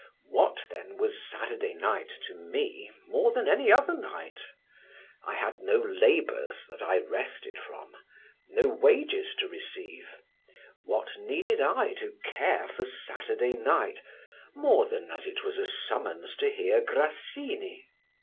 What, then, was Saturday night to me more than any other night? I had no labours that I rested from, no wages to receive; what needed I to care for Saturday night, more than as it was a summons to hear Grassini?